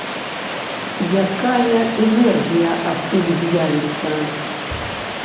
Якая энергія адтуль з'явіцца?